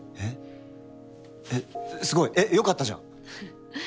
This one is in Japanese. えっすごい！よかったじゃん！